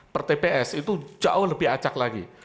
per tps itu jauh lebih acak lagi